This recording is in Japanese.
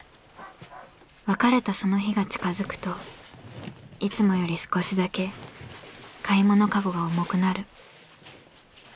別れたその日が近づくといつもより少しだけ買い物かごが重くなる。